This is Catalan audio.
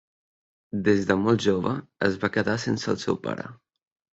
Des de molt jove es va quedar sense el seu pare.